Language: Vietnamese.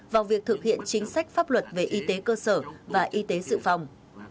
vào việc thực hiện chính sách pháp luật về y tế cơ sở và y tế dự phòng